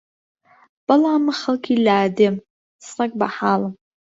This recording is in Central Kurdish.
بەڵام من خەڵکی لادێم سەگ بەحاڵم